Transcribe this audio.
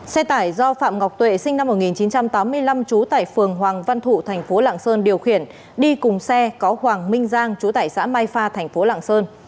xe tải do phạm ngọc tuệ sinh năm một nghìn chín trăm tám mươi năm chú tải phường hoàng văn thụ tp lạng sơn điều khiển đi cùng xe có hoàng minh giang chú tải xã mai pha tp lạng sơn